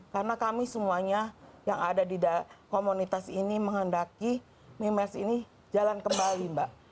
karena kami semuanya yang ada di komunitas ini menghendaki memiles ini jalan kembali mbak